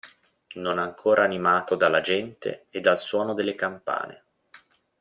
Non ancora animato dalla gente e dal suono delle campane.